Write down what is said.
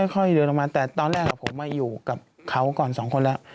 ค่อยเดินออกมาแต่ตอนแรกผมมาอยู่กับเขาก่อนสองคนแล้ว